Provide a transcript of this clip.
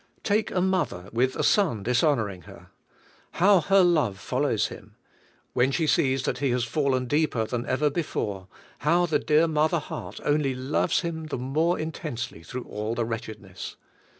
Take a mother with a son dishonoring her. How her love follows him! When she sees that he has fallen deeper than ever before, how the dear mother heart only loves him the more intensely through all the wretchedness!